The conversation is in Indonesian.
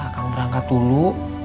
akang berangkat dulu